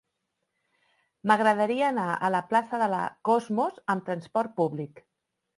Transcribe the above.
M'agradaria anar a la plaça de la Cosmos amb trasport públic.